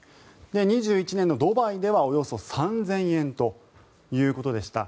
２１年のドバイではおよそ３０００円ということでした。